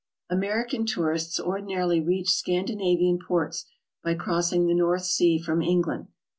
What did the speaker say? American tourists ordinarily reach Scandinavian ports by crossing the North Sea from England.